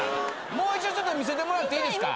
もう一度ちょっと見せてもらっていいですか？